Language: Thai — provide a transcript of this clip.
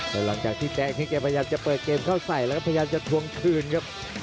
แต่หลังจากที่แดงนี้แกพยายามจะเปิดเกมเข้าใส่แล้วก็พยายามจะทวงคืนครับ